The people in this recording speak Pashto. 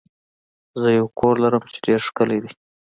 زه یو کور لرم چې ډیر ښکلی دی.